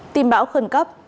tìm bão khuẩn cấp